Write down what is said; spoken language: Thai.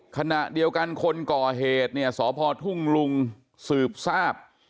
ขณะเดียวกันคนก่อเหตุเนี่ยสพทุ่งลุงสืบทราบ